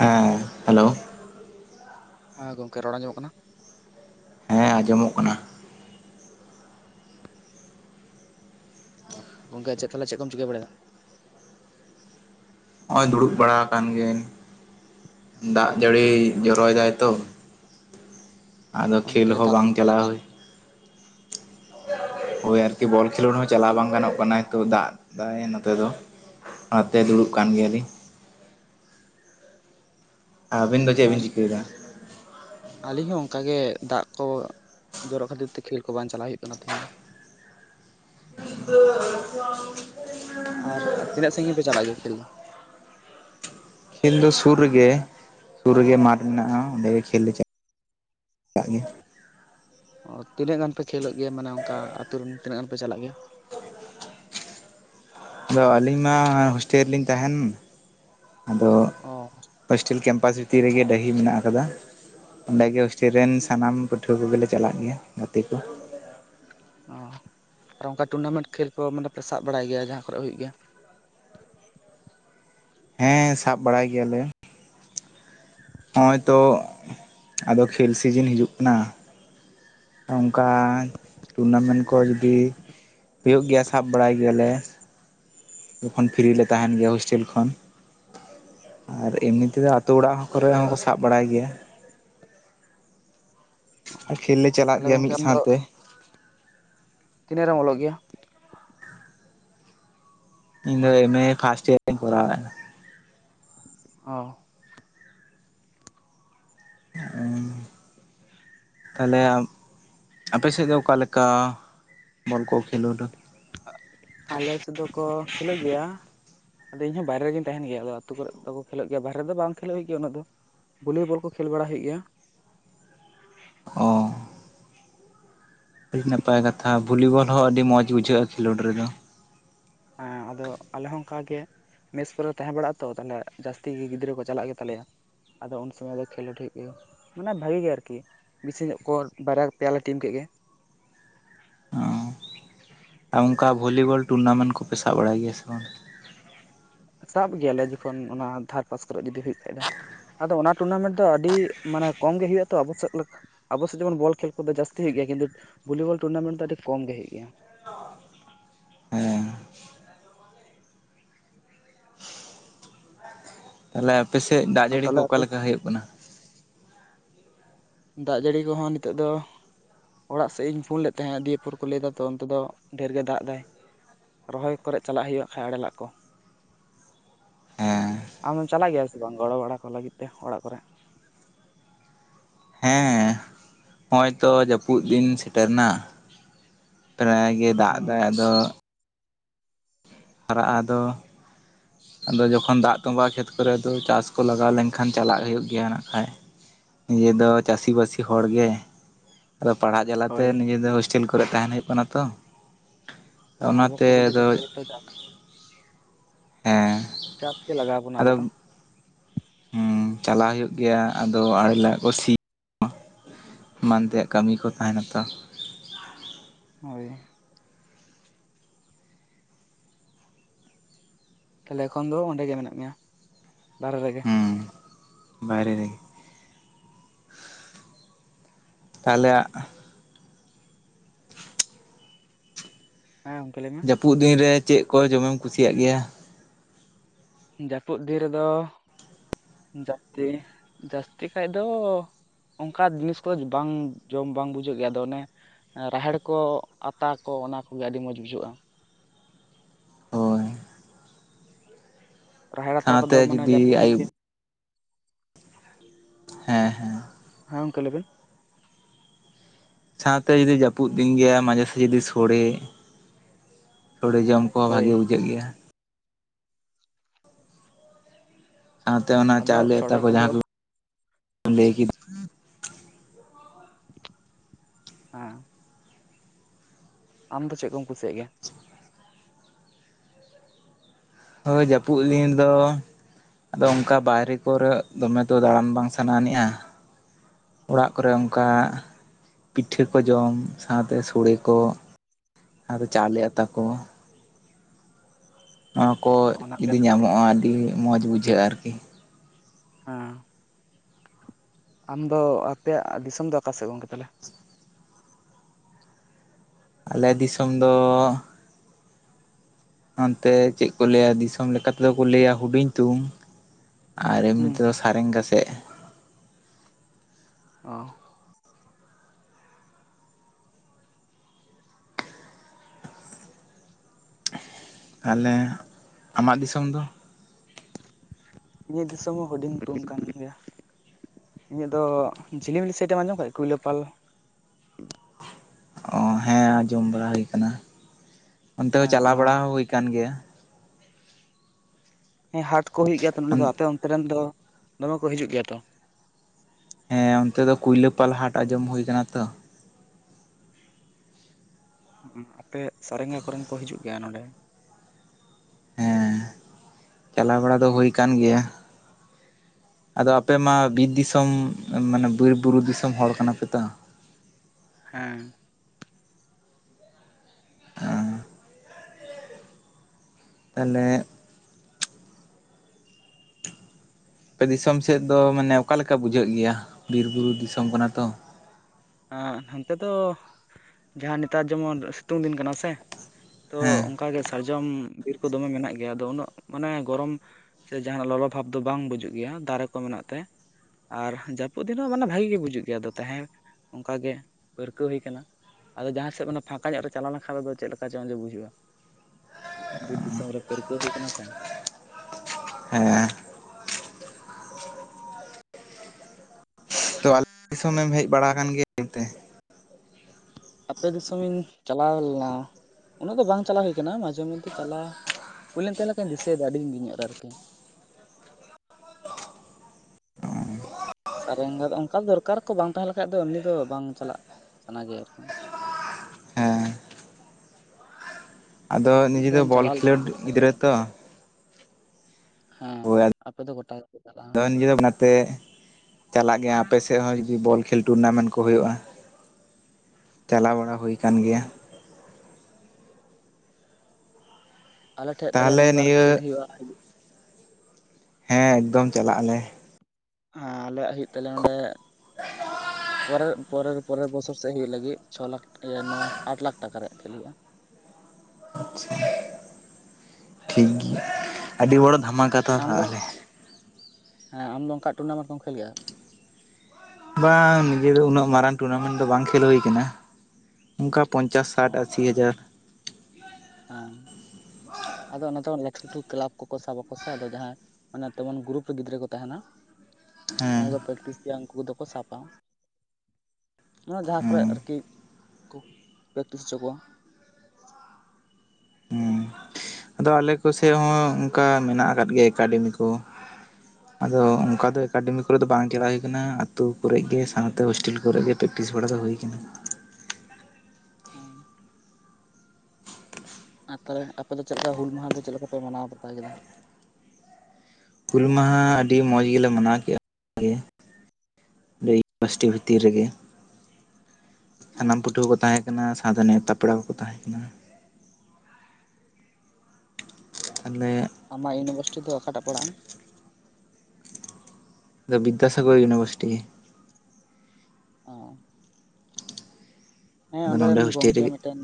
ᱦᱮᱸ ᱦᱮᱞᱳ ᱦᱮᱸ ᱜᱚᱝᱠᱮ ᱨᱚᱲᱟ ᱟᱡᱚᱜ ᱠᱟᱱᱟ? ᱦᱮᱸ ᱟᱸᱡᱚᱢᱚᱜ ᱠᱟᱱᱟ᱾ ᱚ ᱜᱚᱝᱠᱮ ᱪᱮᱫ ᱛᱚᱞᱮ ᱪᱮᱫ ᱠᱚᱢ ᱪᱤᱠᱟᱹ ᱵᱟᱲᱟᱭᱟ? ᱱᱚᱜᱚᱭ ᱫᱩᱲᱩᱵ ᱵᱟᱲᱟ ᱟᱠᱟᱱ ᱜᱤᱭᱟᱹᱧ ᱫᱟᱜ ᱚ ᱡᱟᱹᱲᱤ ᱡᱚᱨᱚᱭᱮᱫᱟᱭ ᱛᱚ᱾ ᱟᱫᱚ ᱠᱷᱮᱞ ᱚᱱᱛᱮ ᱦᱚᱸ ᱫᱟᱜ ᱵᱟᱝ ᱪᱟᱞᱟᱣ ᱦᱳᱭ ᱦᱚᱭ ᱟᱨᱠᱤ ᱵᱚᱞ ᱠᱷᱮᱞᱳᱰ ᱦᱚᱸ ᱪᱟᱞᱟᱣ ᱵᱟᱝ ᱜᱟᱱᱚᱜ ᱠᱟᱱᱟ ᱛᱚ ᱫᱟᱜ ᱫᱟᱭ ᱱᱚᱛᱮ ᱫᱚ᱾ ᱟᱛᱮ ᱫᱩᱲᱩᱵ ᱠᱟᱱ ᱜᱮᱭᱟᱞᱤᱧ᱾ ᱟᱹᱵᱤᱱ ᱫᱚ ᱪᱮᱫ ᱟᱨ ᱵᱤᱱ ᱪᱤᱠᱟᱹᱭᱮᱫᱟ? ᱟᱹᱞᱤᱧ ᱦᱚᱸ ᱚᱱᱠᱟ ᱜᱮ ᱫᱟᱜ ᱠᱚ ᱡᱚᱨᱚᱜ ᱠᱷᱟᱹᱛᱤᱨ ᱛᱮ ᱠᱷᱮᱞ ᱠᱚ ᱵᱟᱝ ᱪᱟᱞᱟ ᱦᱩᱭᱩᱜ ᱠᱟᱱᱟ ᱛᱮᱦᱧ ᱫᱚ᱾ [inaudible] ᱟᱨ ᱛᱤᱱᱟᱹᱜ ᱥᱟᱺᱜᱤᱧ ᱯᱮ ᱪᱟᱞᱟᱜ ᱜᱮᱭᱟ ᱠᱷᱮᱞ ᱫᱚ? ᱠᱷᱮᱞ ᱫᱚ ᱥᱩᱨ ᱨᱮᱜᱮ ᱥᱩᱨ ᱨᱮᱜᱮ ᱢᱟᱴ ᱢᱮᱱᱟᱜᱼᱟ ᱚᱸᱰᱮ ᱜᱮ ᱠᱷᱮᱞ ᱞᱮ ᱪᱟ [inaudible] ᱚ ᱛᱤᱱᱟᱹᱜ ᱜᱟᱱ ᱯᱮ ᱠᱷᱮᱞᱚᱜ ᱜᱮᱭᱟ ᱢᱟᱱᱮ ᱚᱱᱠᱟ ᱟᱛᱩᱨᱮᱱ ᱛᱤᱱᱟᱹᱜ ᱜᱟᱱ ᱯᱮ ᱪᱟᱞᱟᱜ ᱜᱮᱭᱟ? ᱟᱫᱚ ᱟᱹᱞᱤᱧ ᱢᱟ ᱦᱳᱥᱴᱮᱞ ᱨᱮᱞᱤᱧ ᱛᱟᱦᱮᱱ ᱟᱫᱚ ᱚ ᱦᱳᱥᱴᱮᱞ ᱠᱮᱢᱯᱟᱥ ᱵᱷᱤᱛᱤ ᱨᱮᱜᱮ ᱰᱟᱹᱦᱤ ᱢᱮᱱᱟᱜ ᱟᱠᱟᱫᱟ, ᱚᱸᱰᱮ ᱜᱮ ᱦᱳᱥᱴᱮᱞ ᱨᱮᱱ ᱥᱟᱱᱟᱢ ᱯᱟᱹᱴᱷᱩᱣᱟᱹ ᱠᱚᱜᱮᱞᱮ ᱪᱟᱞᱟᱜ ᱜᱮᱭᱟ ᱜᱟᱛᱮ ᱠᱚ᱾ ᱚᱦ ᱟᱨ ᱚᱱᱠᱟ ᱴᱩᱨᱱᱟᱢᱮᱱᱴ ᱠᱷᱮᱞ ᱠᱚ ᱢᱟᱱᱮ ᱯᱮ ᱥᱟᱵ ᱵᱟᱲᱟᱭ ᱜᱮᱭᱟ ᱡᱟᱦᱟᱸ ᱠᱚᱨᱮ ᱦᱩᱭᱩᱜ ᱜᱮᱭᱟ? ᱦᱮᱸ ᱥᱟᱵ ᱵᱟᱲᱟᱭ ᱜᱮᱭᱟᱞᱮ᱾ [inaudible] ᱦᱚᱸ ᱚᱼᱚᱼᱭ ᱛᱚ ᱟᱫᱚ ᱠᱷᱮᱞ ᱥᱤᱡᱤᱱ ᱦᱤᱡᱩᱜ ᱠᱟᱱᱟ᱾ ᱚᱱᱠᱟ ᱴᱩᱨᱱᱟᱢᱮᱱᱴ ᱠᱚ ᱡᱩᱫᱤ ᱦᱩᱭᱩᱜ ᱜᱮᱭᱟ ᱥᱟᱵ ᱵᱟᱲᱟᱭ ᱜᱮᱭᱟᱞᱮ᱾ ᱡᱚᱠᱷᱚᱱ ᱯᱷᱤᱨᱤ ᱞᱮ ᱚ ᱛᱟᱦᱮᱱ ᱜᱮᱭᱟ ᱦᱳᱥᱴᱮᱞ ᱠᱷᱚᱱ᱾ ᱟᱨ ᱮᱢᱱᱤ ᱛᱮᱫᱚ ᱟᱛᱳ ᱚᱲᱟᱜ ᱠᱚᱨᱮ ᱦᱚᱸᱠᱚ ᱥᱟᱵ ᱵᱟᱲᱟᱭ ᱜᱮᱭᱟ᱾ ᱟᱨ ᱠᱷᱮᱞ ᱞᱮ ᱪᱟᱞᱟᱜ ᱛᱟᱦᱚᱞᱮ ᱜᱮᱭᱟ ᱜᱚᱝᱠᱮ ᱢᱤᱫ ᱟᱢ ᱫᱚ ᱥᱟᱶᱛᱮ᱾ ᱛᱤᱱᱟᱹᱜ ᱨᱮᱢ ᱚᱞᱚᱜ ᱜᱮᱭᱟ? ᱤᱧ ᱫᱚ ᱮᱢ ᱮ ᱯᱷᱟᱥᱴ ᱤᱭᱟᱨ ᱤᱧ ᱠᱚᱨᱟᱟᱣᱮᱜ-ᱟ᱾ ᱚᱜ [inaudible] ᱛᱟᱦᱞᱮ ᱟᱢ ᱟᱯᱮᱥᱮᱫ ᱫᱚ ᱚᱠᱟᱞᱮᱠᱟ ᱵᱚᱞ ᱠᱚ ᱠᱷᱮᱞᱳᱰᱟ? ᱟᱞᱮ ᱥᱮᱫ ᱫᱚ ᱠᱚ ᱠᱷᱮᱞᱳᱜ ᱜᱮᱭᱟ᱾ ᱟᱫᱚ ᱤᱧ ᱦᱚᱸ ᱵᱟᱨᱨᱮᱜᱤ ᱛᱟᱦᱮᱱ ᱜᱮᱭᱟ ᱟᱫᱚ ᱟᱹᱛᱩ ᱠᱚᱨᱮᱜ ᱫᱚ ᱠᱷᱮᱞᱳᱜ ᱜᱮᱭᱟ ᱵᱟᱦᱨᱮ ᱨᱮᱫᱚ ᱵᱟᱝ ᱠᱷᱮᱞᱳᱜ ᱦᱤᱩᱭᱩᱜ ᱜᱮᱭᱟ ᱩᱱᱟᱹᱜ ᱫᱚ᱾ ᱵᱷᱚᱞᱤ ᱵᱚᱞ ᱠᱚ ᱠᱷᱮᱞ ᱵᱟᱲᱟ ᱦᱩᱭᱩᱜ ᱜᱮᱭᱟ᱾ ᱚ ᱟᱹᱰᱤ ᱱᱟᱯᱟᱭ ᱠᱟᱛᱷᱟ ᱵᱷᱚᱞᱤᱵᱚᱞ ᱦᱚᱸ ᱟᱹᱰᱤ ᱢᱚᱸᱡᱽ ᱵᱩᱡᱷᱟᱹᱜᱼᱟ ᱠᱷᱮᱞᱳᱰ ᱨᱮᱫᱚ᱾ ᱦᱮᱸ ᱟᱫᱚ ᱟᱞᱮ ᱦᱚᱸ ᱚᱱᱠᱟᱜ ᱜᱮ, ᱢᱮᱥ ᱠᱚᱨᱮ ᱛᱟᱦᱮᱸ ᱵᱟᱲᱟᱜ ᱟ ᱛᱟᱦᱟᱞᱮ ᱡᱟᱹᱥᱛᱤ ᱜᱮ ᱜᱤᱫᱽᱨᱟᱹ ᱠᱚ ᱪᱟᱞᱟᱜ ᱜᱮᱛᱟᱞᱮᱭᱟ᱾ ᱟᱫᱚ ᱩᱱ ᱥᱚᱢᱚᱭ ᱫᱚ ᱠᱷᱮᱞᱳᱰ ᱦᱩᱭᱩᱜ ᱜᱮᱭᱟ᱾ ᱢᱟᱱᱮ ᱵᱷᱟᱜᱤ ᱜᱮᱭᱟ ᱟᱨᱠᱤ ᱵᱤᱥᱤ ᱧᱚᱜ ᱠᱚ ᱵᱟᱨᱭᱟ ᱯᱮᱭᱟᱞᱟᱮ ᱴᱤᱢ ᱠᱮᱫ ᱜᱮ᱾ ᱚ ᱟᱨ ᱚᱱᱠᱟ ᱵᱷᱚᱞᱤᱵᱚᱞ ᱴᱩᱨᱱᱟᱢᱮᱱᱴ ᱠᱚᱯᱮ ᱥᱟᱵ ᱵᱟᱲᱟᱭ ᱜᱮᱭᱟ ᱥᱮ ᱵᱟᱝ? ᱥᱟᱵ ᱜᱮᱭᱟᱞᱮ ᱡᱚᱠᱷᱚᱱ ᱚᱱᱟ ᱫᱷᱟᱨ ᱯᱟᱥ ᱠᱚᱨᱮ ᱡᱩᱫᱤ ᱦᱩᱭᱩᱜ ᱠᱷᱟᱡ ᱫᱚ᱾ ᱟᱫᱚ ᱚᱱᱟ ᱴᱩᱨᱱᱟᱢᱮᱱᱴ ᱫᱚ ᱟᱹᱰᱤᱜ ᱢᱟᱱᱮ ᱠᱚᱢ ᱜᱮ ᱦᱩᱭᱩᱜ ᱟᱛᱚ ᱟᱵᱚ ᱥᱮᱫ ᱞᱮᱠᱟ ᱟᱵᱚ ᱥᱮᱫ ᱡᱮᱢᱚᱱ ᱵᱚᱞ ᱠᱷᱮᱞ ᱠᱚᱫᱚ ᱡᱟᱹᱥᱛᱤ ᱦᱩᱭᱩᱜ ᱜᱮᱭᱟ ᱠᱤᱱᱛᱩ ᱵᱷᱚᱞᱤᱵᱚᱞ ᱴᱩᱨᱱᱟᱢᱮᱱᱴ ᱫᱚ ᱟᱹᱰᱤ ᱠᱚᱢ ᱜᱮ ᱦᱩᱭᱩᱜ ᱜᱮᱭᱟ᱾ ᱦᱮᱸ ᱛᱟᱦᱚᱞᱮ ᱟᱯᱮᱥᱮᱫ ᱫᱟᱜ ᱟᱨ ᱡᱟᱹᱲᱤ ᱠᱚ ᱛᱟᱦᱚᱞᱮ ᱚᱠᱟᱮ ᱟᱯᱮ ᱞᱮᱠᱟ ᱦᱩᱭᱩᱜ ᱠᱟᱱᱟ? ᱫᱟᱜ ᱡᱟᱹᱲᱤ ᱠᱚᱦᱚᱸ ᱱᱤᱛᱚᱜ ᱫᱚ ᱚᱲᱟᱜ ᱥᱮᱫ ᱤᱧ ᱯᱷᱳᱱ ᱞᱮᱫ ᱛᱟᱦᱮᱸᱫ ᱫᱤᱭᱯᱩᱨ ᱠᱚ ᱞᱟᱹᱭ ᱮᱫᱟ ᱛᱚ ᱚᱱᱛᱮ ᱫᱚ ᱰᱷᱮᱨ ᱜᱮ ᱫᱟᱜ ᱫᱟᱭ᱾ ᱨᱚᱦᱚᱭ ᱠᱚᱨᱮᱜ ᱪᱟᱞᱟᱜ ᱦᱩᱭᱩᱜᱼᱟ, ᱠᱷᱟᱡ ᱟᱲᱮ ᱞᱟᱜ ᱠᱚ᱾ ᱦᱮᱸ ᱾ ᱟᱢᱫᱚᱢ ᱪᱟᱞᱟᱜ ᱜᱮᱭᱟ ᱥᱮ ᱵᱟᱝ, ᱜᱚᱲᱚ ᱵᱟᱲᱟ ᱠᱚ ᱞᱟᱹᱜᱤᱫ ᱛᱮ ᱚᱲᱟᱜ ᱠᱚᱨᱮ᱾ ᱦᱮᱸ, ᱱᱚᱜᱚᱭ ᱛᱚ ᱡᱟᱹᱯᱩᱫ ᱫᱤᱱ ᱥᱮᱴᱮᱨᱮᱱᱟ᱾ ᱯᱨᱟᱭᱟ ᱜᱮ ᱫᱟᱜ ᱦᱩᱸ ᱫᱟᱭ ᱟᱫᱚ᱾ ᱦᱟᱨᱟᱜᱼᱟ ᱟᱫᱚ᱾ ᱟᱫᱚ ᱡᱚᱠᱷᱚᱱ ᱫᱟᱜ ᱛᱚᱸᱵᱟ ᱠᱷᱮᱛ ᱠᱚᱨᱮ ᱫᱚ ᱪᱟᱥ ᱠᱚ ᱞᱟᱜᱟᱣ ᱞᱮᱱᱠᱷᱟᱱ ᱪᱟᱞᱟᱜ ᱦᱩᱭᱩᱜ ᱜᱮᱭᱟ ᱱᱟᱜ ᱠᱷᱟᱭ ᱾ ᱱᱤᱡᱮ ᱫᱚ ᱪᱟᱥᱤ ᱵᱟᱥᱤ ᱦᱚᱲ ᱜᱮ᱾ ᱟᱫᱚ ᱯᱟᱲᱦᱟᱜ ᱡᱟᱞᱟᱛᱮ, ᱦᱳᱭ ᱱᱤᱡᱮ ᱫᱚ ᱦᱳᱥᱴᱮᱞ ᱠᱚᱨᱮ ᱛᱟᱦᱮᱸᱱ ᱦᱩᱭᱩᱜ ᱠᱟᱱᱟ ᱛᱚ᱾ ᱟᱵᱚ ᱚᱱᱟᱛᱮ ᱠᱚᱫᱚ ᱫᱚ ᱡᱷᱚᱛᱚ ᱜᱮᱛᱚ ᱪᱟᱥ ᱦᱮᱸ᱾ ᱪᱟᱥ ᱯᱮ ᱞᱟᱜᱟᱣ ᱵᱚᱱᱟ ᱟᱵᱚ ᱟᱫᱚ ᱫᱚ᱾ ᱦᱩᱸ, ᱪᱟᱞᱟᱜ ᱦᱩᱭᱩᱜ ᱜᱮᱭᱟ ᱟᱫᱚ ᱟᱲᱮᱞᱟ ᱠᱚ ᱥᱤ ᱾ ᱮᱢᱟᱱ ᱛᱮᱭᱟᱜ ᱠᱟᱹᱢᱤ ᱠᱚ ᱛᱟᱦᱮᱸᱱᱟ ᱛᱚ᱾ ᱦᱳᱭ᱾ ᱛᱟᱦᱞᱮ ᱮᱠᱷᱚᱱ ᱫᱚ ᱚᱸᱰᱮ ᱜᱮ ᱢᱮᱱᱟᱜ ᱢᱮᱭᱟ, ᱵᱟᱦᱨᱮ ᱨᱮᱜᱮ? ᱦᱩᱸᱢ, ᱵᱟᱦᱨᱮ ᱨᱮᱜᱮ᱾ ᱟᱞᱮᱭᱟᱜ ᱦᱮᱸ ᱜᱟᱝᱠᱮ, ᱞᱟᱹᱭ ᱵᱤᱱ᱾ ᱟᱹᱯᱩᱫ ᱫᱤᱱ ᱨᱮ ᱪᱮᱫ ᱠᱚ ᱡᱚᱢᱮᱢ ᱠᱩᱥᱤᱭᱟᱜ ᱜᱮᱭᱟ? ᱡᱟᱯᱩᱫ ᱫᱤᱱ ᱨᱮᱫᱚ ᱡᱟᱥᱛᱤ, ᱡᱟᱥᱛᱤ ᱠᱷᱟᱡ ᱫᱚ᱾ ᱚᱱᱠᱟ ᱡᱤᱱᱤᱥ ᱠᱚ ᱵᱟᱝ, ᱡᱚᱢ ᱵᱟᱝ ᱵᱩᱡᱷᱟᱹᱜ ᱜᱮᱭᱟ ᱟᱫᱚ ᱚᱱᱮ ᱾ ᱨᱟᱦᱮᱲ ᱠᱚ ᱟᱛᱟ ᱠᱚ ᱚᱱᱟ ᱠᱚᱜᱮ ᱟᱹᱰᱤ ᱢᱚᱡᱽ ᱵᱩᱡᱷᱟᱹᱣᱜᱼᱟ᱾ ᱦᱳᱭ᱾ ᱨᱟᱦᱮᱲ ᱟᱛᱟ ᱠᱚᱫᱚ ᱥᱟᱶᱛᱮ ᱢᱟᱱᱮ ᱡᱩᱫᱤ ᱡᱟᱹᱯᱩᱫ ᱫᱤᱱ ᱜᱮ ᱟᱹᱭᱩᱵ ᱦᱮᱸ ᱦᱮᱸ᱾ ᱦᱮᱸ ᱜᱚᱝᱠᱮ, ᱞᱟᱹᱭᱵᱤᱱ᱾ ᱥᱟᱶᱛᱮ ᱡᱩᱫᱤ ᱡᱟᱹᱯᱩᱫ ᱫᱤᱱ ᱜᱮᱜᱟ ᱢᱟᱡᱮ ᱛᱮ ᱡᱩᱫᱤ ᱥᱚᱲᱮ, ᱥᱚᱲᱮ ᱡᱚᱢ᱾ ᱠᱚ ᱦᱳᱭ ᱵᱷᱟᱜᱮ ᱵᱩᱡᱷᱟᱹᱜ ᱜᱮᱭᱟ᱾ ᱥᱟᱶᱛᱮ ᱚᱱᱟ ᱟᱫᱚ ᱪᱟᱣᱞᱮ ᱟᱛᱟ ᱥᱚᱲᱮ ᱠᱚ ᱠᱚᱫᱚ ᱡᱟᱦᱟᱸ ᱠᱚ [inaudible] ᱞᱟᱹᱭ ᱠᱮᱫ [inaudible] ᱟ᱾ [inaudible] ᱦᱟᱸ ᱾ ᱟᱢ ᱫᱚ ᱪᱮᱫ ᱠᱚᱢ ᱠᱩᱥᱤᱭᱟᱜ ᱜᱮᱭᱟ? ᱦᱳᱭ ᱡᱟᱹᱯᱩᱫ ᱫᱤᱱ ᱫᱚ᱾ ᱟᱫᱚ ᱚᱱᱠᱟ ᱵᱟᱭᱨᱮ ᱠᱚᱨᱮ ᱫᱚᱢᱮ ᱛᱚ ᱫᱟᱬᱟᱱ ᱵᱟᱝ ᱥᱟᱱᱟᱱᱤᱼᱟ᱾ ᱚᱲᱟᱜ ᱠᱚᱨᱮ ᱚᱱᱠᱟ ᱯᱤᱴᱷᱟᱹ ᱠᱚ ᱡᱚᱢ ᱥᱟᱶᱛᱮ ᱥᱚᱲᱮ ᱠᱚ ᱟᱨ ᱪᱟᱣᱞᱮ ᱟᱛᱟ ᱠᱚ᱾ ᱱᱚᱣᱟ ᱠᱚ ᱚᱱᱟ ᱜᱮ ᱡᱩᱫᱤ ᱱᱟᱯᱟᱭ ᱧᱟᱢᱚᱜᱼᱟ, ᱟᱹᱰᱤ ᱢᱚᱡᱽ ᱵᱩᱡᱷᱟᱹᱜᱼᱟ ᱟᱨᱠᱤ᱾ ᱦᱮᱸ᱾ ᱟᱢᱫᱚ ᱟᱯᱮᱭᱟᱜ ᱫᱤᱥᱚᱢ ᱫᱚ ᱚᱠᱟ ᱥᱮᱫ ᱜᱚᱝᱠᱮ ᱛᱟᱦᱞᱮ᱾ ᱟᱞᱮ ᱫᱤᱥᱚᱢ ᱫᱚᱦ᱾ ᱦᱚᱱᱛᱮ ᱪᱮᱫ ᱠᱚ ᱞᱟᱹᱭᱟ ᱫᱤᱥᱚᱢ ᱞᱮᱠᱟᱛᱮᱫᱚ ᱠᱚ ᱞᱟᱹᱭᱟ ᱦᱩᱰᱤᱧ ᱛᱩᱢ ᱟᱨ ᱮᱢᱱᱤ ᱦᱩᱸ ᱛᱚᱫᱚ ᱥᱟᱨᱮᱝᱜᱟ ᱥᱮ ᱚᱦ᱾ ᱛᱟᱦᱞᱮ, ᱟᱢᱟᱜ ᱫᱤᱥᱚᱢ ᱫᱚ ᱾ ᱤᱧᱟᱹᱜ ᱫᱤᱥᱚᱢ ᱦᱚᱸ ᱦᱩᱰᱤᱧ ᱛᱩᱝ ᱠᱟᱱ ᱜᱮᱭᱟ᱾ ᱤᱧᱟᱹᱜ ᱫᱚ ᱡᱷᱤᱞᱤᱢᱤᱞᱤ ᱥᱟᱭᱤᱰᱮᱢ ᱟᱸᱡᱚᱢ ᱟᱠᱟᱜᱼᱟ ᱠᱩᱭᱞᱟᱹᱯᱟᱞ ᱾ ᱚ ᱦᱮᱸ ᱟᱸᱡᱚᱢ ᱵᱟᱲᱟ ᱦᱩᱭ ᱠᱟᱱᱟ᱾ ᱚᱱᱛᱮ ᱦᱚᱸ ᱦᱮᱸ ᱪᱟᱞᱟᱣ ᱚᱱᱟ ᱵᱟᱲᱟ ᱦᱚᱸ ᱦᱩᱭ ᱠᱟᱱ ᱜᱮᱭᱟ᱾ ᱦᱮᱸ ᱦᱟᱴ ᱠᱚ ᱦᱩᱭᱩᱜ ᱜᱮᱭᱟ ᱛᱚ ᱱᱚᱰᱮ ᱫᱚ, ᱟᱯᱮ ᱦᱮᱸ ᱚᱱᱛᱮ ᱨᱮᱱ ᱫᱚ ᱫᱚᱢᱮ ᱠᱚ ᱦᱤᱡᱩᱜ ᱜᱮᱭᱟ ᱛᱚ᱾ ᱦᱮᱸ ᱚᱱᱛᱮ ᱫᱚ ᱠᱩᱭᱞᱟᱹᱯᱟᱞ ᱦᱟᱴ ᱟᱸᱡᱚᱢ ᱦᱩᱭ ᱟᱠᱟᱱᱟ ᱛᱚ᱾ ᱦᱩᱸ ᱩ ᱟᱯᱮ ᱥᱟᱨᱮᱝᱜᱟ ᱠᱚᱨᱮᱱ ᱠᱚ ᱦᱤᱡᱩᱜ ᱜᱮᱭᱟ ᱱᱚᱸᱰᱮ ᱾ ᱦᱮᱸ ᱪᱟᱞᱟᱣ ᱵᱟᱲᱟ ᱫᱚ ᱦᱩᱭ ᱠᱟᱱ ᱜᱮᱭᱟ᱾ ᱟᱫᱚ ᱟᱯᱮ ᱢᱟ ᱵᱤᱨ ᱫᱤᱥᱚᱢ ᱢᱟᱱᱮ ᱵᱤᱨ ᱵᱩᱨᱩ ᱫᱤᱥᱚᱢ ᱦᱚᱲ ᱠᱟᱱᱟᱯᱮ ᱛᱚ᱾ ᱦᱮᱸ ᱦᱮᱸ ᱛᱷᱟᱦᱞᱮ ᱟᱯᱮ ᱫᱤᱥᱚᱢ ᱥᱮᱫ ᱫᱚ ᱢᱟᱱᱮ ᱚᱠᱟᱞᱮᱠᱟ ᱵᱩᱡᱷᱟᱹᱜ ᱜᱮᱭᱟ? ᱵᱤᱨ ᱵᱩᱨᱩ ᱫᱤᱥᱚᱢ ᱠᱟᱱᱟ ᱛᱚ᱾ ᱟᱱ ᱦᱚᱱᱛᱮ ᱫᱚ ᱡᱟᱦᱟᱸ ᱱᱮᱛᱟᱨ ᱡᱮᱢᱚᱱ ᱥᱤᱛᱩᱝ ᱫᱤᱱ ᱠᱟᱱᱟ ᱥᱮ ᱛᱚ ᱦᱮᱸ ᱚᱱᱠᱟᱜᱮ ᱥᱟᱨᱡᱚᱢ ᱵᱤᱨ ᱠᱚ ᱫᱚᱢᱮ ᱢᱮᱱᱟᱜ ᱜᱮᱭᱟ ᱟᱫᱚ ᱩᱱᱟᱹᱜ ᱢᱟᱱᱮ ᱜᱚᱨᱚᱢ ᱥᱮ ᱡᱟᱦᱟᱱᱟᱜ ᱞᱚᱞᱚ ᱵᱷᱟᱵ ᱫᱚ ᱵᱟᱝ ᱵᱩᱡᱩᱜ ᱜᱮᱭᱟ ᱫᱟᱨᱮ ᱠᱚ ᱢᱮᱱᱟᱜ ᱛᱮ᱾ ᱟᱨ ᱡᱟᱹᱯᱩᱫ ᱫᱤᱱ ᱦᱚᱸ ᱢᱟᱱᱮ ᱵᱷᱟᱹᱜᱤ ᱜᱮ ᱵᱩᱡᱩᱜ ᱜᱮᱭᱟ ᱟᱫᱚ ᱛᱟᱦᱮᱸ ᱚᱱᱠᱟᱜᱮ ᱯᱟᱹᱨᱠᱟᱹᱣ ᱦᱩᱭ ᱠᱟᱱᱟ᱾ ᱟᱫᱚ ᱡᱟᱦᱟᱸ ᱥᱮᱫ ᱚᱱᱟ ᱯᱷᱟᱸᱠᱟ ᱧᱚᱜ ᱨᱮ ᱪᱟᱞᱟᱣ ᱞᱮᱱᱠᱷᱟᱱᱫᱚ ᱪᱮᱫ ᱞᱮᱠᱟ ᱪᱚᱝ ᱚᱸᱡᱚ ᱵᱩᱡᱷᱩᱜᱼᱟ᱾ ᱵᱤᱨ ᱫᱤᱥᱚᱢ ᱨᱮ ᱯᱟᱹᱨᱠᱟᱹᱣ ᱦᱩᱭ ᱠᱟᱱᱟᱟᱱᱟ ᱥᱮ ᱦᱮᱸ [inaudible] ᱫᱤᱥᱚᱢᱮ ᱮᱢ ᱦᱮᱡ ᱵᱟᱲᱟ ᱟᱠᱟᱱ ᱜᱮᱭᱟ? [unintelligible] ᱟᱯᱮ ᱫᱤᱥᱚᱢ ᱤᱧ ᱪᱟᱞᱟᱣ ᱞᱮᱱᱟ ᱩᱱᱟᱹᱜ ᱫᱚ ᱵᱟᱝ ᱪᱟᱞᱟᱣ ᱦᱩᱭ ᱟᱠᱟᱱᱟ ᱢᱟᱡᱷᱮ ᱢᱚᱫᱽᱫᱷᱮ ᱪᱟᱞᱟᱜ ᱵᱳᱞᱮᱱ ᱛᱟᱦᱮᱸᱱ ᱞᱮᱠᱟᱧ ᱫᱤᱥᱟᱹᱭᱮᱫᱟ ᱟᱹᱰᱤ ᱫᱤᱱ ᱧᱚᱜ ᱨᱮ ᱟᱨᱠᱤ ᱚ᱾ ᱥᱟᱨᱮᱧᱜᱟ ᱫᱚ ᱚᱱᱠᱟ ᱫᱚᱨᱠᱟᱨ ᱠᱚ ᱵᱟᱝ ᱛᱟᱦᱮᱸ ᱞᱮᱠᱟᱱᱡ ᱫᱚ ᱮᱢᱱᱤ ᱫᱚ ᱵᱟᱝ ᱪᱟᱞᱟᱜ ᱥᱟᱱᱟ ᱜᱮᱮᱭᱟ ᱟᱨᱠᱤ ᱦᱮᱸ ᱟᱫᱚ ᱢᱤᱫ ᱱᱤᱡᱮ ᱫᱷᱟᱣ ᱫᱚ ᱤᱧ ᱵᱚᱞ ᱪᱟᱞᱟᱣ ᱞᱮᱱᱟ ᱠᱷᱮᱞᱳᱰ ᱢᱤᱫ ᱥᱮᱨᱢᱟ ᱜᱤᱫᱽᱨᱟᱹ ᱛᱚ ᱦᱮᱸ ᱦᱳᱭ ᱟᱯᱮ ᱫᱚ ᱜᱚᱴᱟ ᱜᱮᱯᱮ ᱪᱟᱞᱟᱜᱼᱟ᱾ ᱟᱫᱚ ᱫᱚ ᱱ ᱜᱟᱹ ᱚᱱᱟᱛᱮ ᱪᱟᱞᱟᱜ ᱜᱮᱭᱟ ᱟᱯᱮ ᱥᱮᱫ ᱦᱚᱸ ᱡ ᱵᱚᱞ ᱠᱷᱮᱞ ᱴᱩᱨᱱᱟᱢᱮᱱᱴ ᱠᱚ ᱦᱩᱭᱩᱜᱼᱟ ᱪᱟᱞᱟᱣ ᱵᱟᱲᱟ ᱦᱩᱭ ᱟᱠᱟᱱ ᱜᱮᱭᱟ᱾ ᱦᱮᱸ ᱟᱞᱮ ᱴᱷᱮᱡ ᱛᱟᱦᱚᱞᱮ ᱱᱤᱭᱟᱹ ᱵᱟᱨ ᱠᱷᱮᱞ ᱦᱩᱭᱩᱜᱼᱟ᱾ ᱦᱮᱸ ᱮᱠᱫᱚᱢ ᱪᱟᱞᱟᱜ ᱟᱞᱮ ᱟᱞᱮᱭᱟᱜ ᱦᱩᱭᱩᱜ ᱛᱟᱞᱮ ᱚᱸᱰᱮ ᱯᱚᱨᱮᱨ ᱯᱚᱨᱮᱨ ᱯᱚᱨᱮᱨ ᱵᱚᱪᱷᱚᱨ ᱥᱮᱫᱳᱭᱳᱜ ᱞᱟᱹᱜᱤᱫ ᱪᱷᱚ ᱞᱟᱠᱷ ᱤᱭᱟᱹ ᱱᱚ ᱟᱴ ᱞᱟᱠᱷ ᱴᱟᱠᱟ ᱨᱮᱭᱟᱜ ᱠᱷᱟᱹᱞᱤᱜᱼᱟ᱾ [inaudible] ᱴᱷᱤᱠ ᱜᱮᱭᱟ ᱟᱹᱰᱤ ᱵᱚᱲᱚ ᱫᱷᱷᱟᱢᱟᱠᱟ ᱟᱢ ᱫᱚ ᱦᱮᱸ ᱟᱢᱫᱚ ᱚᱱᱠᱟ ᱴᱩᱨᱱᱟᱢᱮᱱᱴ ᱠᱚᱢ ᱠᱷᱮᱞ ᱜᱮᱭᱟ᱾ ᱵᱟᱝ ᱱᱤᱡᱮ ᱫᱚ ᱩᱱᱟᱹᱜ ᱢᱟᱨᱟᱝ ᱴᱩᱨᱱᱟᱢᱮᱱᱴ ᱫᱚ ᱵᱟᱝ ᱠᱷᱮᱞᱳ ᱦᱩᱭ ᱠᱟᱱᱟ ᱚᱱᱠᱟ ᱯᱚᱧᱪᱟᱥ ᱥᱟᱴ ᱟᱥᱤ ᱦᱟᱡᱟᱨ ᱦᱚᱸ᱾ ᱟᱫᱚ ᱚᱱᱟᱛᱮ ᱞᱟᱹᱴᱩ ᱞᱟᱹᱴᱩ ᱠᱞᱟᱵᱽ ᱠᱚᱠᱚ ᱥᱟᱵ ᱟᱠᱚ ᱥᱮᱮ ᱟᱫᱚ ᱡᱟᱦᱟᱸᱭ ᱢᱟᱱᱮ ᱛᱮᱢᱚᱱ ᱜᱨᱩᱯ ᱨᱮ ᱜᱤᱫᱽᱨᱟᱹ ᱠᱚ ᱛᱟᱦᱮᱱᱟ ᱦᱮᱸ ᱱᱤᱭᱟᱹ ᱠᱚ ᱯᱨᱮᱠᱴᱤᱥ ᱜᱮᱭᱟ ᱩᱱᱠᱩ ᱠᱚᱫᱚ ᱠᱚ ᱥᱟᱯᱼᱟ᱾ ᱢᱟᱱᱮ ᱡᱟᱦᱟᱸ ᱠᱚᱨᱮ ᱦᱮᱸ ᱟᱨᱠᱤ ᱠᱚ ᱯᱮᱠᱴᱤᱥ ᱦᱚᱪᱚ ᱠᱚᱣᱟ᱾ ᱦᱮᱸ ᱟᱫᱚ ᱟᱞᱮ ᱠᱚᱥᱮᱫ ᱦᱚᱸ ᱚᱱᱠᱟ ᱢᱮᱱᱟᱜ ᱟᱠᱟᱫ ᱜᱮᱭᱟ ᱮᱠᱟᱰᱮᱢᱤ ᱠᱚ᱾ [inaudible] ᱟᱫᱚ ᱚᱱᱠᱟ ᱫᱚ ᱮᱠᱟᱰᱮᱢᱤ ᱠᱚᱨᱮ ᱫᱚ ᱵᱟᱝ ᱪᱟᱞᱟᱣ ᱦᱩᱭ ᱟᱠᱟᱱᱟ ᱟᱛᱳ ᱠᱚᱨᱮ ᱜᱮ ᱥᱟᱶᱛᱮ ᱦᱳᱥᱴᱮᱞ ᱠᱚᱨᱮ ᱜᱮ ᱯᱨᱮᱠᱴᱤᱥ ᱵᱟᱲᱟ ᱫᱚ ᱦᱩᱭ ᱜᱮᱱᱟ᱾ ᱚᱸ᱾ ᱟᱨ ᱛᱟᱦᱚᱞᱮ ᱟᱯᱮ ᱫᱚ ᱪᱮᱫ ᱞᱮᱠᱟ ᱦᱩᱞ ᱢᱟᱦᱟ ᱫᱚ ᱪᱮᱫ ᱞᱮᱠᱟ ᱯᱮ ᱢᱟᱱᱟᱣ ᱵᱟᱛᱟᱣ ᱠᱮᱫᱟ? ᱦᱩᱞ ᱢᱟᱦᱟ ᱟᱹᱰᱤ ᱢᱚᱸᱡᱽ ᱜᱮᱞᱮ ᱢᱟᱱᱟᱣ ᱠᱮᱫᱼᱟ ᱜᱮ ᱯᱥᱴᱤ ᱵᱷᱤᱛᱤᱨ ᱨᱮᱜᱮ ᱚ ᱥᱟᱱᱟᱢ ᱯᱟᱹᱴᱷᱩᱣᱟᱹ ᱠᱚ ᱛᱟᱦᱮᱸ ᱠᱟᱱᱟ ᱥᱟᱸᱫᱟᱱᱮ ᱛᱟᱯᱲᱟᱟᱣ ᱠᱚᱠᱚ ᱛᱟᱦᱮᱸ ᱠᱟᱱᱟ᱾ ᱛᱟᱦᱞᱮ ᱟᱟᱜ ᱤᱭᱩᱱᱤᱵᱷᱟᱨᱥᱤᱴᱤ ᱫᱚ ᱚᱠᱟᱴᱟᱜ ᱯᱟᱲᱟᱜᱼᱟ? ᱵᱤᱫᱫᱟᱥᱟᱜᱚᱨ ᱤᱭᱩᱱᱤᱵᱷᱟᱨᱥᱤᱴᱤ ᱚᱸ᱾ ᱦᱮᱸ ᱟᱫᱚ ᱚᱸᱰᱮ ᱱᱚᱰᱮ ᱨᱮᱱ ᱦᱳᱥᱴᱮᱞ ᱜᱚᱢᱠᱮ ᱨᱮᱜᱮ ᱢᱤᱫᱴᱮᱱ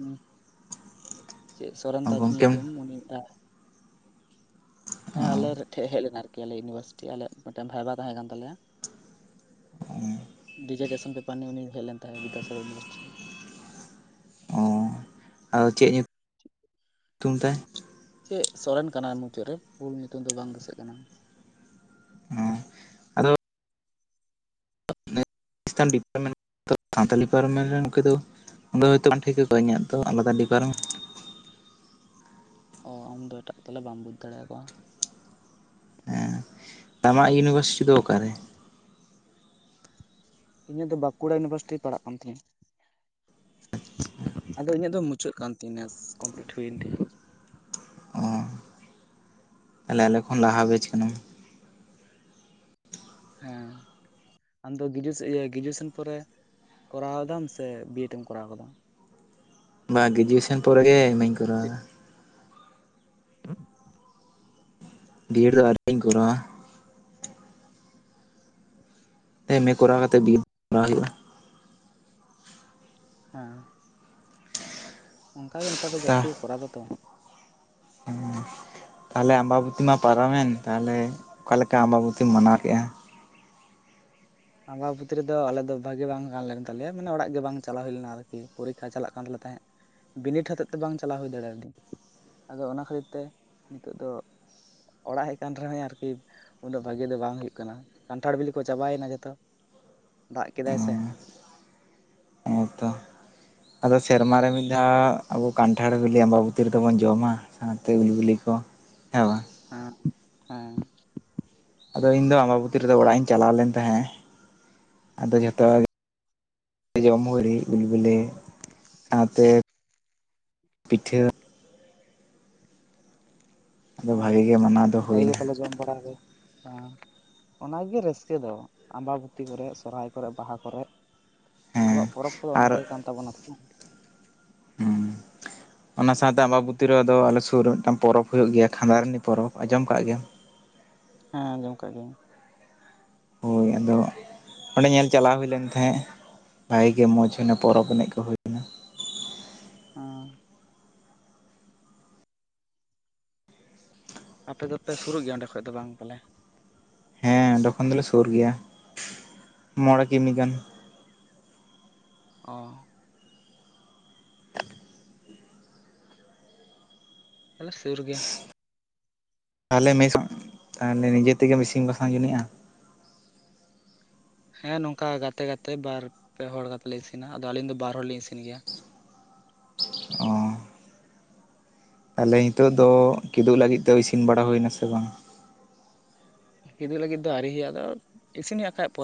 ᱪᱮᱫ ᱥᱚᱨᱚᱱ ᱛᱟᱡ ᱜᱚᱢᱠᱮᱢ ᱧᱩᱛᱩᱢ ᱩᱱᱤ ᱫᱟᱜ ᱦᱮᱸ ᱟᱞᱮ ᱴᱷᱮᱡ ᱦᱮᱡ ᱞᱮᱱᱟ ᱟᱨᱠᱤ ᱟᱞᱮ ᱤᱭᱩᱱᱤᱵᱷᱟᱨᱥᱤᱴᱤ ᱟᱞᱮ ᱢᱤᱫᱴᱮᱱ ᱵᱷᱟᱭᱵᱟ ᱛᱟᱦᱮᱸ ᱠᱟᱱ ᱛᱟᱞᱮᱭᱟ᱾ [unintelligible] ᱰᱤᱡᱟᱨ ᱴᱮᱥᱚᱱ ᱯᱮᱯᱟᱨ ᱩᱱᱤ ᱦᱮᱡ ᱞᱮᱱ ᱛᱟᱭᱮ ᱵᱤᱫᱫᱟᱥᱟᱜᱚᱨ ᱤᱭᱩᱱᱤᱵᱷᱟᱨ ᱥᱤᱴᱤ ᱨᱮᱱ᱾ ᱟᱨ ᱪᱮᱫ ᱛᱩᱢ ᱛᱟᱭ? ᱪᱮᱫ ᱥᱚᱨᱮᱱ ᱠᱟᱱᱟ ᱢᱩᱪᱟᱹᱫ ᱨᱮ ᱯᱷᱩᱞ ᱧᱩᱛᱩᱢ ᱫᱚ ᱵᱟᱝ ᱫᱩᱥᱟᱹᱜ ᱠᱟᱱᱟ᱾ ᱚᱸ [unintelligible] ᱥᱟᱶᱛᱟᱞ ᱰᱤᱯᱟᱨᱴᱢᱮᱱᱴ ᱨᱮᱱ ᱩᱱᱠᱩ ᱫᱚ ᱦᱳᱭᱛᱳ ᱵᱟᱝ ᱴᱷᱤᱠ ᱟᱠᱚᱣᱟ ᱤᱧᱟᱹᱜ ᱫᱚ ᱟᱞᱟᱫᱟ ᱰᱤᱯᱟᱨᱴᱢᱮᱱᱴ ᱚ ᱟᱢ ᱫᱚ ᱮᱴᱟᱜ ᱛᱟᱞᱮ ᱵᱟᱢ ᱵᱩᱡ ᱫᱟᱲᱮᱭᱟ ᱠᱚᱣᱟ᱾ ᱦᱮᱸ ᱛᱟᱢᱟ ᱤᱭᱩᱱᱤᱵᱷᱟᱨᱥᱤᱴᱤ ᱫᱚ ᱚᱠᱟᱨᱮ? ᱤᱧᱟᱹᱜ ᱫᱚ ᱵᱟᱠᱩᱲᱟ ᱤᱭᱩᱱᱤᱵᱷᱟᱨᱥᱤᱴᱤ ᱯᱟᱲᱟᱜ ᱠᱟᱱ ᱛᱤᱧᱟᱹ᱾ ᱟᱫᱚ ᱤᱧᱟᱹᱜ ᱫᱚ ᱢᱩᱪᱟᱹᱫ ᱠᱟᱱ ᱛᱤᱧᱟᱥ ᱠᱚᱢᱯᱞᱤᱴ ᱦᱩᱭᱮᱱ ᱛᱤᱧᱟᱹ᱾ ᱚ ᱟᱞᱮ ᱟᱞᱮ ᱠᱷᱚᱱ ᱞᱟᱦᱟᱵᱮᱡ ᱠᱟᱱᱟ᱾ ᱦᱮᱸ ᱟᱢ ᱫᱚ ᱜᱮᱨᱮᱡᱩᱭᱮᱥᱚᱱ ᱯᱚᱨᱮ ᱠᱚᱨᱟᱣ ᱫᱟᱢ ᱥᱮ ᱵᱤᱮᱰ ᱮᱢ ᱠᱚᱨᱟᱣ ᱠᱟᱫᱟ? ᱵᱟ ᱜᱨᱮᱡᱩᱭᱮᱥᱚᱱ ᱯᱚᱨᱮᱜᱮ ᱮᱢᱮᱧ ᱪᱮᱫ ᱠᱚᱨᱟᱣᱫᱟ᱾ ᱰᱤᱭᱮᱴ ᱫᱚ ᱟᱣᱨᱤᱧ ᱠᱚᱨᱟᱣᱼᱟ ᱾ ᱮᱢᱮ ᱠᱚᱨᱟᱣ ᱠᱟᱛᱮ ᱵᱤᱨ ᱠᱚᱨᱟᱣ ᱦᱩᱭᱩᱜᱼᱟ᱾ ᱦᱮᱸ ᱚᱱᱠᱟ ᱜᱮ ᱱᱮᱛᱟᱨ ᱫᱚ ᱛᱟ ᱡᱟᱹᱥᱛᱤ ᱠᱚᱨᱟᱣ ᱫᱚᱛᱚ᱾ ᱛᱟᱦᱚᱞᱮ ᱟᱢᱵᱟᱵᱚᱛᱤ ᱢᱟ ᱯᱟᱨᱚᱢᱮᱱ ᱛᱟᱦᱚᱞᱮ ᱚᱠᱟᱞᱮᱠᱟ ᱟᱢᱵᱟᱵᱚᱛᱤᱢ ᱢᱟᱱᱟᱣ ᱠᱮᱫᱼᱟ? ᱟᱢᱵᱟᱵᱚᱛᱤ ᱨᱮ ᱫᱚ ᱟᱞᱮ ᱫᱚ ᱵᱷᱟᱜᱤ ᱵᱟᱝ ᱜᱟᱱ ᱞᱮᱱ ᱛᱟᱞᱮᱭᱟ ᱢᱟᱱᱮ ᱚᱲᱟᱜ ᱜᱮ ᱵᱟᱝ ᱪᱟᱞᱟᱣ ᱦᱩᱭ ᱞᱮᱱᱟ ᱟᱨᱠᱤ ᱯᱚᱨᱤᱠᱠᱷᱟ ᱪᱟᱞᱟᱜ ᱠᱟᱱ ᱛᱟᱞᱮ ᱛᱟᱦᱮᱸᱫ᱾ ᱵᱤᱱᱤᱰ ᱦᱚᱛᱮᱫ ᱛᱮ ᱵᱟᱝ ᱪᱟᱞᱟᱣ ᱦᱩᱭ ᱫᱟᱲᱮᱭᱟᱫᱤᱧ ᱟᱫᱚ ᱚᱱᱟ ᱠᱷᱟᱹᱛᱤᱨ ᱛᱮ ᱱᱤᱛᱚᱜ ᱫᱚ ᱚᱲᱟᱜ ᱦᱮᱡ ᱠᱟᱱ ᱨᱮᱦᱚᱸᱭ ᱟᱨᱠᱤ ᱩᱱᱟᱹᱜ ᱵᱷᱟᱹᱜᱤ ᱫᱚ ᱵᱟᱝ ᱦᱩᱭᱩᱜ ᱠᱟᱱᱟ ᱠᱟᱱᱴᱷᱟᱲ ᱵᱤᱞᱤ ᱠᱚ ᱪᱟᱵᱟᱭᱮᱱᱟ᱾ ᱛᱚ ᱫᱟᱜ ᱠᱮᱫᱟᱭ ᱥᱮ, ᱦᱮᱸ ᱛᱚ ᱟᱫᱚ ᱥᱮᱨᱢᱟᱨ ᱨᱮ ᱢᱤᱫ ᱫᱷᱟᱣ ᱟᱵᱚ ᱠᱟᱱᱴᱷᱟᱲ ᱵᱤᱞᱤ ᱟᱢᱵᱟᱵᱩᱛᱤ ᱨᱮᱫᱚ ᱵᱚᱱ ᱡᱚᱢᱟ᱾ ᱥᱟᱶᱛᱮ ᱩᱞ ᱵᱤᱞᱤ ᱠᱚ ᱦᱮᱵᱟᱝ? ᱦᱮ ᱦᱮᱸ ᱟᱫᱚ ᱤᱧᱫᱚ ᱟᱢᱵᱟᱵᱚᱛᱤ ᱨᱮᱫᱚ ᱚᱲᱟᱜ ᱤᱧ ᱪᱟᱞᱟᱣ ᱞᱮᱱ ᱛᱟᱦᱮᱸᱫ ᱟᱫᱚ ᱡᱷᱚᱛᱚ ᱡᱚᱢ ᱦᱩᱭ ᱩᱞ ᱵᱤᱞᱤ ᱥᱟᱶᱛᱮ ᱯᱤᱴᱷᱟᱹ ᱟᱫᱚ ᱚ ᱵᱷᱟᱜᱤ ᱜᱮ ᱢᱟᱱᱟᱣ ᱫᱚ ᱵᱷᱟᱜᱮ ᱜᱮ ᱦᱩᱭᱱᱟ ᱛᱟᱦᱮ ᱡᱚᱢ ᱵᱟᱲᱟᱟ ᱜᱮ ᱚᱸ᱾ ᱚᱱᱟᱜᱮ ᱨᱟᱹᱥᱠᱟᱹ ᱫᱚ ᱟᱢᱵᱟᱵᱚᱛᱤ ᱠᱚᱨᱮ ᱥᱚᱨᱦᱟᱭ ᱠᱚᱨᱮ ᱵᱟᱦᱟ ᱠᱚᱨᱮ ᱦᱮᱸ ᱟᱵᱚᱣᱟᱜ ᱯᱚᱨᱚᱵᱽ ᱠᱚᱫᱚ ᱚᱱᱟ ᱟᱨ ᱠᱚᱜ ᱠᱟᱱ ᱛᱟᱵᱚᱱᱟ ᱛᱚ ᱦᱩᱸ ᱚᱱᱟ ᱥᱟᱶᱛᱮ ᱟᱢᱵᱟᱵᱚᱛᱤ ᱨᱮᱫᱚ ᱟᱞᱮ ᱥᱩᱨ ᱨᱮ ᱢᱤᱫᱴᱟᱝ ᱯᱚᱨᱚᱵᱽ ᱦᱩᱭᱩᱜ ᱜᱮᱭᱟ ᱠᱷᱟᱸᱫᱟᱨᱟᱱᱤ ᱯᱚᱨᱚᱵᱽ ᱟᱸᱡᱚᱢ ᱠᱟᱜ ᱜᱮᱭᱟ? ᱦᱮᱸ ᱟᱡᱚᱢ ᱠᱟᱜ ᱜᱤᱭᱟᱹᱧ᱾ ᱦᱳᱭ ᱟᱫᱚ ᱚᱸᱰᱮ ᱧᱮᱞ ᱪᱟᱞᱟᱣ ᱦᱩᱭ ᱞᱮᱱ ᱛᱟᱦᱮᱸᱜ ᱵᱷᱟᱜᱤ ᱜᱮ ᱢᱚᱡᱽ ᱦᱩᱭᱱᱟ ᱯᱚᱨᱚᱵᱽ ᱮᱱᱮᱡ ᱠᱚ ᱦᱩᱭ ᱚᱸᱻ ᱟᱯᱮ ᱫᱚᱯᱮ ᱥᱩᱨᱩᱜ ᱜᱮᱭᱟ ᱚᱸᱰᱮ ᱠᱷᱚᱡ ᱫᱚ ᱵᱟᱝ ᱯᱟᱞᱮ? ᱦᱮᱸ ᱚᱰᱮ ᱠᱷᱚᱱ ᱫᱚᱞᱮ ᱥᱩᱨ ᱜᱮᱭᱟ ᱢᱚᱬᱮ ᱠᱤᱢᱤ ᱜᱟᱱ᱾ ᱚ ᱛᱚᱞᱮ ᱥᱩᱨ ᱜᱮᱭᱟ᱾ ᱛᱟᱦᱚᱞᱮ ᱢᱮᱥ ᱛᱟᱦᱚᱞᱮ ᱱᱤᱡᱮ ᱛᱮᱜᱮ ᱤᱥᱤᱱ ᱵᱟᱥᱟᱝ ᱡᱚᱱᱤᱡᱼᱟ? ᱦᱮᱸ ᱱᱚᱝᱠᱟ ᱜᱟᱛᱮ ᱜᱟᱛᱮ ᱵᱟᱨ ᱯᱮ ᱦᱚᱲ ᱜᱟᱛᱮ ᱞᱮ ᱤᱥᱤᱱᱟ ᱟᱫᱚ ᱟᱹᱞᱤᱧ ᱫᱚ ᱵᱟᱨ ᱦᱚᱲᱞᱤᱧ ᱤᱥᱤᱱ ᱜᱮᱭᱟ᱾ ᱛᱟᱦᱞᱮ ᱱᱤᱛᱚᱜ ᱫᱚ ᱠᱤᱫᱩᱵ ᱞᱟᱹᱜᱤᱫ ᱛᱮ ᱤᱥᱤᱱ ᱵᱟᱲᱟ ᱦᱩᱭᱱᱟ ᱥᱮ ᱵᱟᱝ? ᱠᱤᱫᱩ ᱞᱟᱹᱜᱤᱫ ᱫᱚ ᱟᱨᱤ ᱦᱩᱭᱩᱜ ᱟ ᱤᱥᱤᱱᱭᱟᱜ ᱠᱷᱟᱱ ᱯᱚᱨᱮ